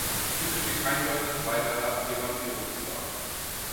Hier besteht eindeutig weiterer Evaluierungsbedarf.